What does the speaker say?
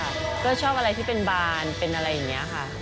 ก็ชอบอะไรที่เป็นบานเป็นอะไรอย่างนี้ค่ะ